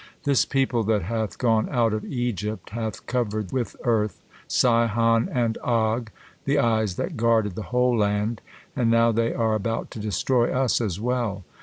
This people that hath gone out of Egypt hath covered with earth Sihon and Og, the eyes that guarded the whole land, and now they are about to destroy us as well.